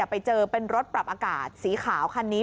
ไปเจอเป็นรถปรับอากาศสีขาวคันนี้